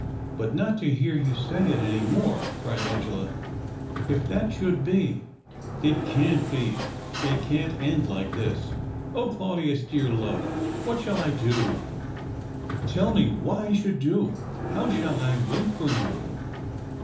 " But not to hear you say it any more !" cried Angela. " If that should be !"" It can't be. It can't end like this." " Oh, Claudius, dear love, what shall I do ? 306 THE OCTAVE OF CLAUDIUS. Tell me what I shall do ? How shall I wait for you